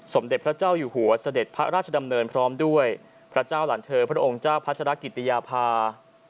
สมเด็จพระเจ้าอยู่หัวเสด็จพระราชดำเนินพร้อมด้วยพระเจ้าหลานเธอพระองค์เจ้าพัชรกิติยาภา